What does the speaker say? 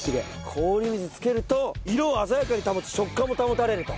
氷水に漬けると色を鮮やかに保ち食感も保たれると。